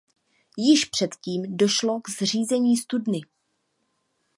Již předtím došlo k zřízení studny.